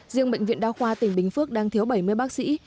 riêng bệnh viện đa khoa tỉnh bình phước đang thiếu bảy mươi bác sĩ